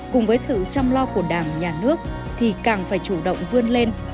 cùng với sự chăm lo của đảng nhà nước thì càng phải chủ động vươn lên